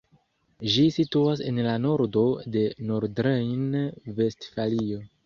Ĝi situas en la nordo de Nordrejn-Vestfalio.